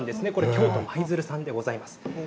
これ京都の舞鶴産でございます。